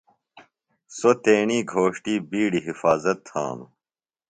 سوۡ تیݨی گھوݜٹی بِیڈیۡ حفاظت تھانوۡ۔